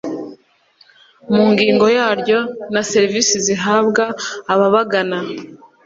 mu ngingo yaryo na serivisi zihabwa ababagana.